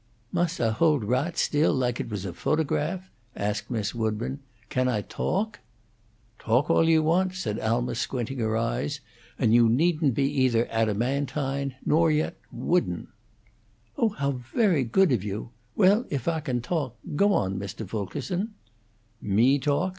"Most Ah hold raght still like it was a photograph?" asked Miss Woodburn. "Can Ah toak?" "Talk all you want," said Alma, squinting her eyes. "And you needn't be either adamantine, nor yet wooden." "Oh, ho' very good of you! Well, if Ah can toak go on, Mr. Fulkerson!" "Me talk?